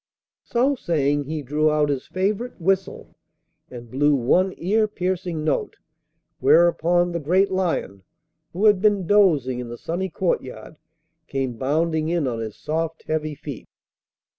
So saying, he drew out his favourite whistle, and blew one ear piercing note whereupon the great lion, who had been dozing in the sunny courtyard, come bounding in on his soft, heavy feet.